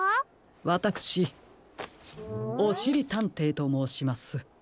わたくしおしりたんていともうします。